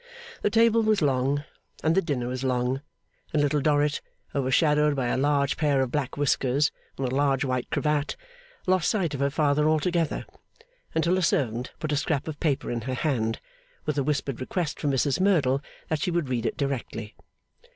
The table was long, and the dinner was long; and Little Dorrit, overshadowed by a large pair of black whiskers and a large white cravat, lost sight of her father altogether, until a servant put a scrap of paper in her hand, with a whispered request from Mrs Merdle that she would read it directly.